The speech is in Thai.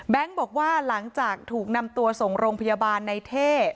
บอกว่าหลังจากถูกนำตัวส่งโรงพยาบาลในเท่